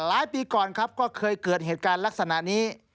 ปีก่อนครับก็เคยเกิดเหตุการณ์ลักษณะนี้